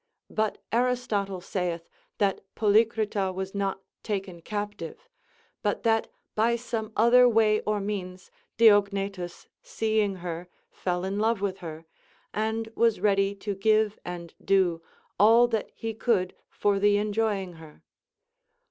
But Aristotle saith, that Polycrita was not ?ί66 CONCERNING THE VIRTUES OF WOMEN. taken captive, but that by some other way or means Diogne tus seeing her fell in love with her, and was ready to give and do all that he could for the enjoying her.